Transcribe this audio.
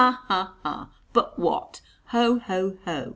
ha! But what ho! ho! ho!